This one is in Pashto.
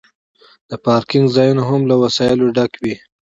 د پارکینګ ځایونه هم له وسایلو ډک وي